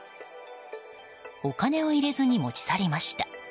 お金を入れずに持ち去りました。